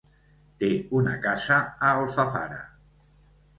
Té una casa a Alfafara.